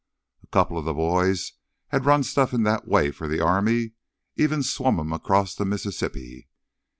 A couple of th' boys had run stuff in that way for th' army, even swum 'em across the Mississippi.